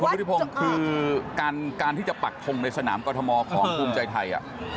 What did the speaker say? วุฒิพงศ์คือการที่จะปักทงในสนามกรทมของภูมิใจไทย